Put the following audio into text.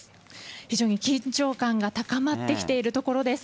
非常に緊張感が高まってきているところです。